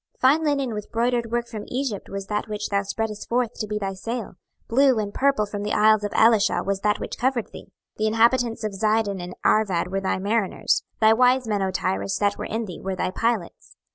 26:027:007 Fine linen with broidered work from Egypt was that which thou spreadest forth to be thy sail; blue and purple from the isles of Elishah was that which covered thee. 26:027:008 The inhabitants of Zidon and Arvad were thy mariners: thy wise men, O Tyrus, that were in thee, were thy pilots.